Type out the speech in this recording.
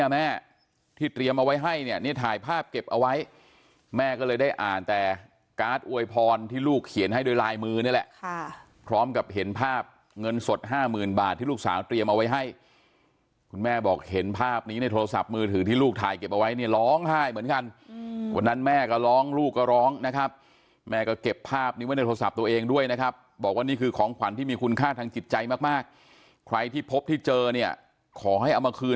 แม่ก็เลยได้อ่านแต่การ์ดอวยพรที่ลูกเขียนให้โดยลายมือนี่แหละค่ะพร้อมกับเห็นภาพเงินสดห้าหมื่นบาทที่ลูกสาวเตรียมเอาไว้ให้คุณแม่บอกเห็นภาพนี้ในโทรศัพท์มือถือที่ลูกถ่ายเก็บเอาไว้เนี้ยร้องไห้เหมือนกันอืมวันนั้นแม่ก็ร้องลูกก็ร้องนะครับแม่ก็เก็บภาพนี้ไว้ในโทรศั